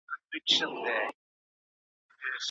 که هر فرد خپل مسولیت ادا کړي، نو ښار نه وروسته پاته کیږي.